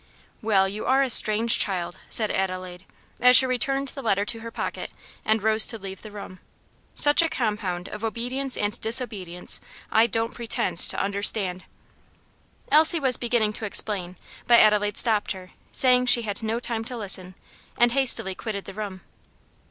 "Well, you are a strange child," said Adelaide, as she returned the letter to her pocket and rose to leave the room; "such a compound of obedience and disobedience I don't pretend to understand." Elsie was beginning to explain, but Adelaide stopped her, saying she had no time to listen, and hastily quitted the room.